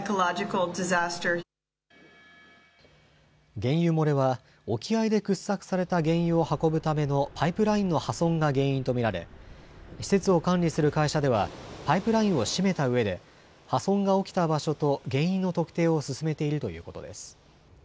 原油漏れは沖合で掘削された原油を運ぶためのパイプラインの破損が原因と見られ、施設を管理する会社ではパイプラインを閉めたうえで破損が起きた場所と原因の特定を進めているということです。